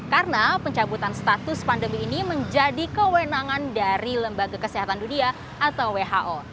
karena pencabutan status pandemi ini menjadi kewenangan dari lembaga kesehatan dunia atau who